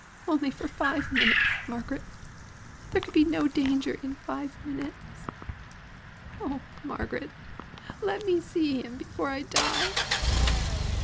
Only for five minutes, Margaret. There could be no danger in five minutes. Oh, Margaret, let me see him before I die!"